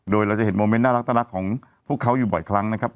โดยเราจะเห็นโมเมนต์น่ารักของพวกเขาอยู่บ่อยครั้งนะครับ